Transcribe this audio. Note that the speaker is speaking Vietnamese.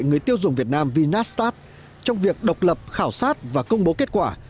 người tiêu dùng việt nam vinastat trong việc độc lập khảo sát và công bố kết quả